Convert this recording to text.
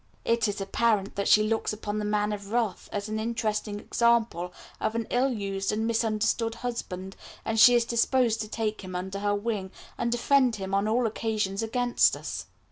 It is also apparent that she looks upon the Man of Wrath as an interesting example of an ill used and misunderstood husband, and she is disposed to take him under her wing, and defend him on all occasions against us.